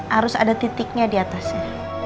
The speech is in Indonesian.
harus ada titiknya diatasnya